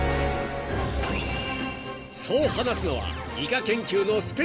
［そう話すのは］